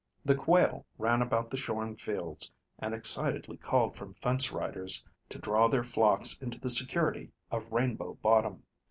The quail ran about the shorn fields, and excitedly called from fence riders to draw their flocks into the security of Rainbow Bottom.